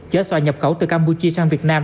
chở xòa nhập khẩu từ campuchia sang việt nam